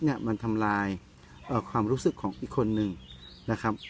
เนี่ยมันทำลายความรู้สึกของอีกคนนึงนะครับ